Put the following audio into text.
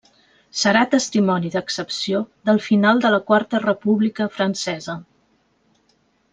Serà testimoni d'excepció del final de la Quarta República Francesa.